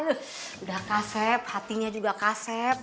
udah kasep hatinya juga kasep